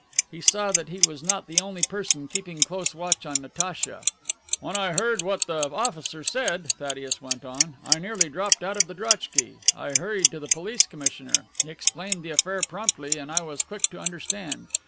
He saw that he was not the only person keeping close watch on Natacha.) "When I heard what the officer said," Thaddeus went on, "I nearly dropped out of the drojki. I hurried to the police commissioner. He explained the affair promptly, and I was quick to understand.